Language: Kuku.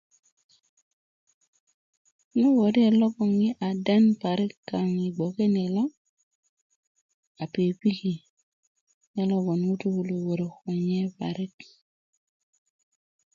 ŋo' wöriyet logon yi' a den parik kaaŋ yi gboke ni lo a pikipiki nye logoŋ ŋutuu kulo wörö ko nye parik